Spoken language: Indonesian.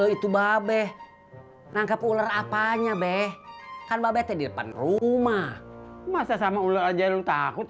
itu babe nangkep ular apanya beb kan babete di depan rumah masa sama ular aja lu takut